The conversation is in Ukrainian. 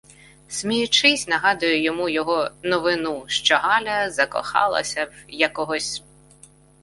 Сміючись, нагадую йому його "новину”, що Галя закохалася в якогось